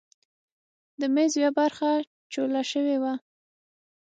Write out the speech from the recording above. د میز یوه برخه چوله شوې وه.